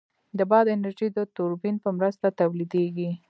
د باد انرژي د توربین په مرسته تولیدېږي.